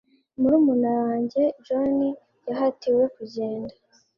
murumuna wanjye john yahatiwe kugenda